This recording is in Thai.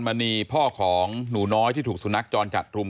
มีหมาอยู่สองกลุ่ม